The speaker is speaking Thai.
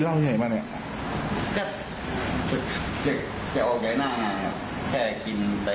พอด้านควรหน่อยนะ